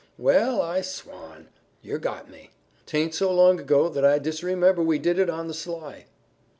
"Well, I swan! Yer got me. 'Taint so long ago that I disremember we did it on the sly."